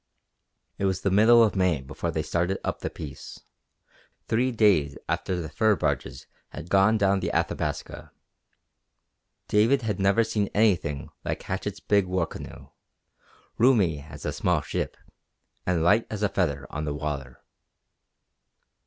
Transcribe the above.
It was the middle of May before they started up the Peace, three days after the fur barges had gone down the Athabasca. David had never seen anything like Hatchett's big war canoe, roomy as a small ship, and light as a feather on the water.